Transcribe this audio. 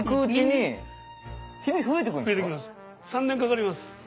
３年かかります。